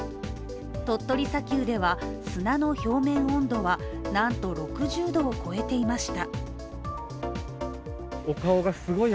鳥取砂丘では砂の表面温度はなんと６０度を超えていました。